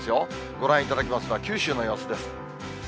ご覧いただきますのは、九州の様子です。